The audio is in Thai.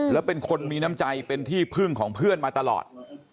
แล้วเป็นคนมีน้ำใจเป็นที่พึ่งของเพื่อนมาตลอด